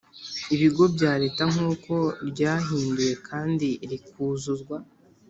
ibigo bya Leta nk uko ryahinduwe kandi rikuzuzwa